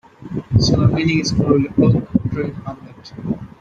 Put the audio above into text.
So, the meaning is probably 'oak-tree hamlet'.